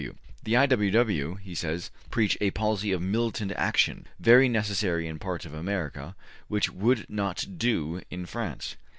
W. W. ``The I. W. W.,'' he says, ``preach a policy of militant action, very necessary in parts of America, which would not do in France.''